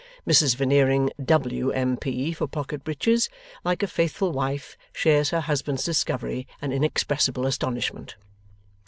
Mrs Veneering, W.M.P. for Pocket Breaches, like a faithful wife shares her husband's discovery and inexpressible astonishment.